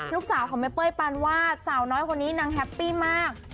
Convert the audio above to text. ลูกสาวของแม่เป้ยปานวาดสาวน้อยคนนี้นางแฮปปี้มาก